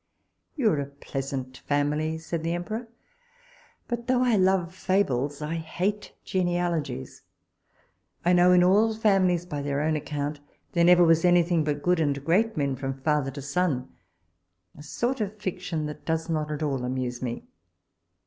You are a pleasant family, said the emperor; but though I love fables, I hate genealogies. I know in all families, by their own account, there never was any thing but good and great men from father to son; a sort of fiction that does not at all amuse me.